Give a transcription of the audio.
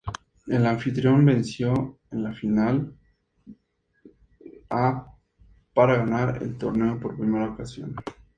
El anfitrión venció en la final a para ganar el torneo por primera ocasión.